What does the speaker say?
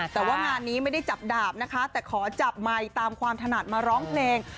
แต่ว่างานนี้ไม่ได้จับดาบนะคะแต่ขอจับไมค์ตามความถนัดมาร้องเพลง